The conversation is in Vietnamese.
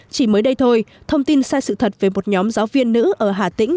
chỉ mới đây thôi thông tin sai sự thật về một nhóm giáo viên nữ ở hà tĩnh